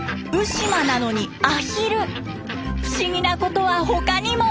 不思議なことは他にも。